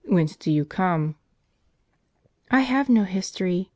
Whence do you come ?"" I have no history.